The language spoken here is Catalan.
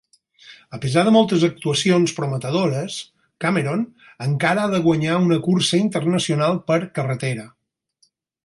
A pesar de moltes actuacions prometedores, Cameron encara ha de guanyar una cursa internacional per carretera.